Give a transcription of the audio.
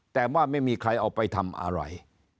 แต่ว่าไม่มีใครเอาไปทำอะไร